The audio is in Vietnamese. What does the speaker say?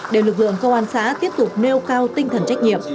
để lực lượng công an xã tiếp tục nêu cao tinh thần trách nhiệm